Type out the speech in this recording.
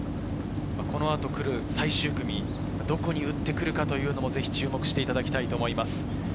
この後くる最終組、どこに打ってくるのか注目していただきたいと思います。